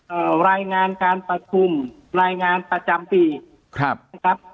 รายงานการประชุมรายงานประจำปีครับนะครับ